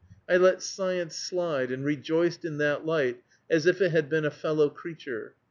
I let science slide, and rejoiced in that light as if it had been a fellow creature.